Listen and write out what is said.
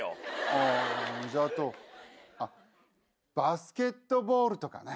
あぁじゃああとあっバスケットボールとかね。